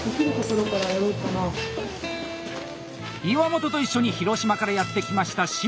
⁉岩本と一緒に広島からやって来ました清水。